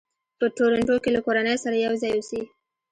په ټورنټو کې له کورنۍ سره یو ځای اوسي.